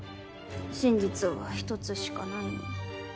真実は１つしかないのに。